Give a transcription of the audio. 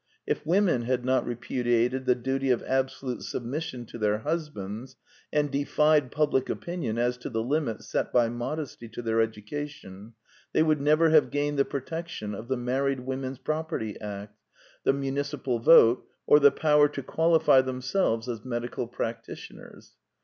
If women had not repudiated the duty of absolute submis sion to their husbands, and defied public opinion as to the limits set by modesty to their education, they would never have gained the protection of the Married Women's Property Act, the munici The Two Pioneers 9 pal vote, or the power to qualify themselves as medical practitioners.